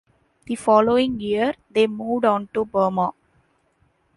The following year, they moved on to Burma.